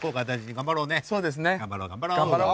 頑張ろう頑張ろう。